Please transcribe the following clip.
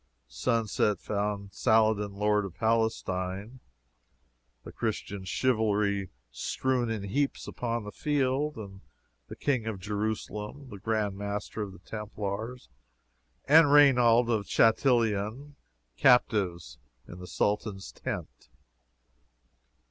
Sunset found Saladin Lord of Palestine, the Christian chivalry strewn in heaps upon the field, and the King of Jerusalem, the Grand Master of the Templars, and Raynauld of Chatillon, captives in the Sultan's tent.